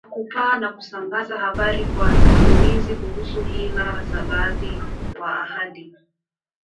kwa kupaa na kusambaza habari kwa sisimizi kuhusu hila za baadhi wa ahadi